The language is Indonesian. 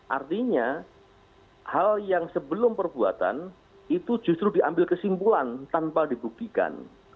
artinya hal yang sebelum perbuatan itu justru diambil kesimpulan tanpa dibuktikan